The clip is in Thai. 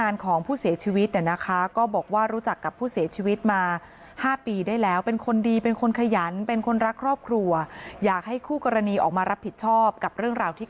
รับผิดชอบมากดีครับรับครอบครัว